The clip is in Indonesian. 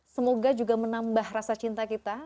semoga juga menambah rasa cinta kita